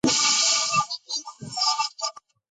მონუმენტური შენობა განეკუთვნება კლასიცისტურ სტილს.